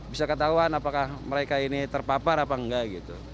bisa ketahuan apakah mereka ini terpapar apa enggak gitu